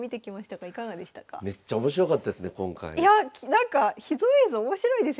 なんか秘蔵映像面白いですよね